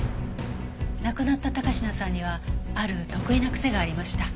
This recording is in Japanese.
亡くなった高階さんにはある特異な癖がありました。